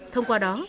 thông qua đó